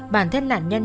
bản thân nạn nhân